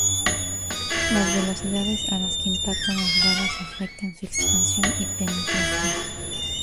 Las velocidades a las que impactan las balas afectan su expansión y penetración.